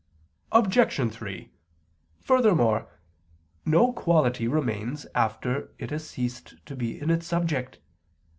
Obj. 3: Furthermore, no quality remains after it has ceased to be in its subject.